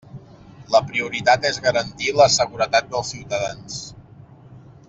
La prioritat és garantir la seguretat dels ciutadans.